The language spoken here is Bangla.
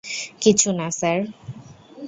কিছু না, স্যার।